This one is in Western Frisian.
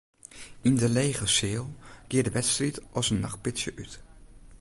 Yn de lege seal gie de wedstriid as in nachtpitsje út.